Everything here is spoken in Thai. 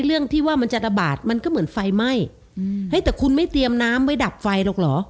เรื่องที่ว่ามันจะระบาดมันก็เหมือนไฟไหม้อืมเฮ้ยแต่คุณไม่เตรียมน้ำไว้ดับไฟหรอกเหรอ